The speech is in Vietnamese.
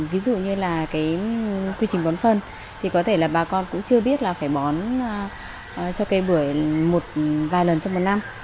ví dụ như là cái quy trình bón phân thì có thể là bà con cũng chưa biết là phải bón cho cây bưởi một vài lần trong một năm